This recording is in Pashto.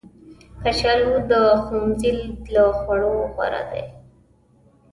کچالو د ښوونځي له خوړو غوره دي